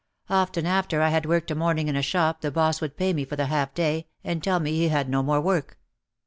Often after I had worked a morning in a shop the boss would pay me for the half day, and tell me he had no more work.